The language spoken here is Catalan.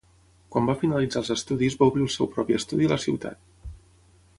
Quan va finalitzar els estudis va obrir el seu propi estudi a la ciutat.